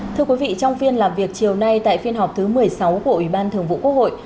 thưa quý vị trong phiên làm việc chiều nay tại phiên họp thứ một mươi sáu của ủy ban thường vụ quốc hội